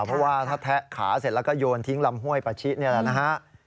เพราะว่าถ้าแทะขาเสร็จแล้วก็โยนทิ้งลำห้วยปาชินี่แหละนะฮะ